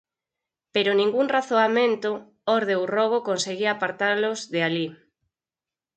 pero ningún razoamento, orde ou rogo conseguía apartalos de alí.